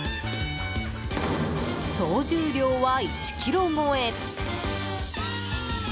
総重量は１ｋｇ超え。